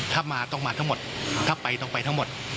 ถ้ามาต้องมาทั้งหมดถ้าไปต้องไปทั้งหมด